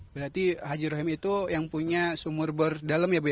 berarti majurohim itu yang punya sumur berdalam ya bu